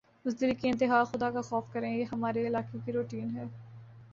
بزدلی کی انتہا خدا کا خوف کریں یہ ہمارے علاقے کی روٹین ھے